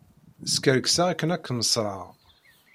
Skerkseɣ akken ad kem-ṣṣreɣ.